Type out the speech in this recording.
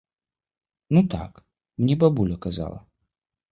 Ну так, мне бабуля казала.